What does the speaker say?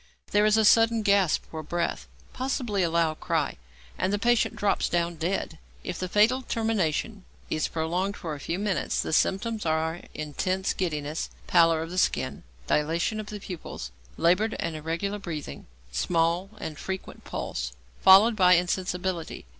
There is a sudden gasp for breath, possibly a loud cry, and the patient drops down dead. If the fatal termination is prolonged for a few minutes, the symptoms are intense giddiness, pallor of the skin, dilatation of the pupils, laboured and irregular breathing, small and frequent pulse, followed by insensibility.